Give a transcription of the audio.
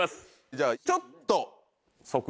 じゃあちょっと。